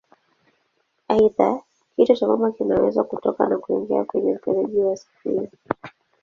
Aidha, kichwa cha pamba kinaweza kutoka na kuingia kwenye mfereji wa sikio.